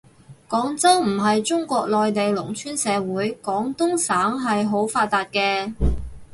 廣州唔係中國內地農村社會，廣東省係好發達嘅